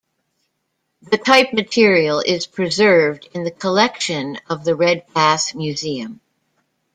The type material is preserved in the collection of the Redpath Museum.